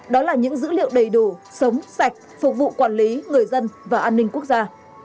đó là những dữ liệu đầy đủ sống sạch phục vụ quản lý người dân và an ninh quốc gia